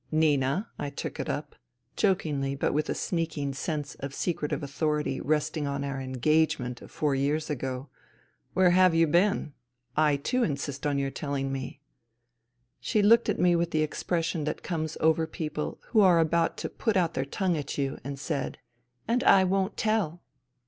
" Nina,'* I took it up, jokingly but with a sneaking sense of secretive authority resting on our " engage ment of four years ago, " where have you been ? I too insist on your telhng me." She looked at me with the expression that comes over people who are about to put out their tongue at you, and said: " And I won't tell."